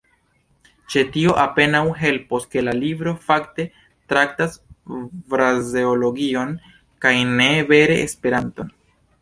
Ĉe tio apenaŭ helpos, ke la libro fakte traktas frazeologion kaj ne vere Esperanton.